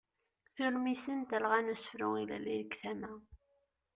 Tulmisin n talɣa n usefru ilelli deg tama.